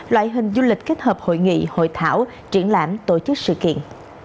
loại hình du lịch kết hợp hội nghị hội thảo triển lãm tổ chức sự kiện